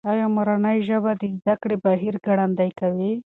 ایا مورنۍ ژبه د زده کړې بهیر ګړندی کوي؟